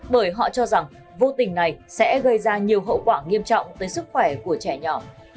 bởi họ cho rằng vô tình này sẽ gây ra nhiều hậu quả nghiêm trọng tới sức khỏe của trẻ nhỏ